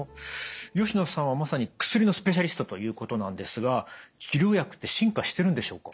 吉野さんはまさに薬のスペシャリストということなんですが治療薬って進化してるんでしょうか？